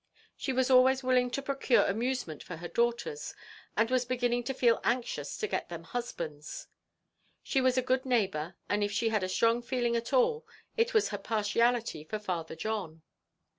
She was always willing to procure amusement for her daughters, and was beginning to feel anxious to get them husbands; she was a good neighbour, and if she had a strong feeling at all, it was her partiality for Father John.